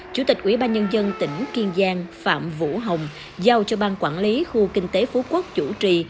chủ tịch ủy ban nhân dân tỉnh kiên giang phạm vũ hồng giao cho ban quản lý khu kinh tế phú quốc chủ trì